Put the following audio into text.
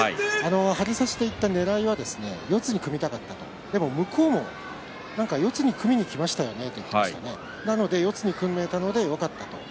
張り差しでいったねらいは四つに組みたかったというでも向こうも四つに組みにきましたよねと言っていましたなので、四つに組めたのでよかったと。